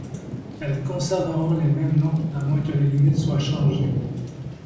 Elles conserveront les mêmes noms à moins que les limites soient changées.